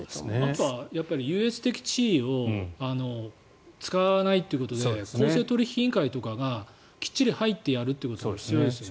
あとは優越的地位を使わないということで公正取引委員会とかがきっちり入ってやるってことが必要ですよね。